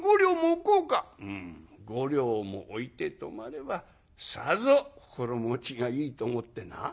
「うん５両も置いて泊まればさぞ心持ちがいいと思ってな」。